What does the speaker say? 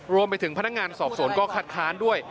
รวมไปถึงพนักงานสอบสวนก็คัดค้านด้วย